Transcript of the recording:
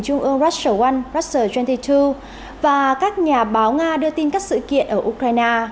trung ương russia one russia hai mươi hai và các nhà báo nga đưa tin các sự kiện ở ukraine